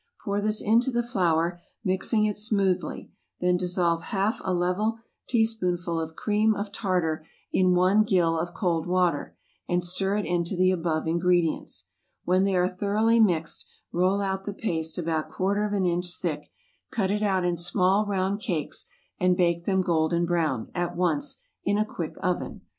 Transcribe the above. Pour this into the flour, mixing it smoothly; then dissolve half a level teaspoonful of cream of tartar in one gill of cold water, and stir it into the above ingredients. When they are thoroughly mixed, roll out the paste about quarter of an inch thick, cut it out in small round cakes, and bake them golden brown, at once, in a quick oven.